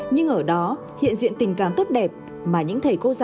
nhưng ở đó hiện diện tình cảm tốt đẹp mà những thầy cô giáo dục không có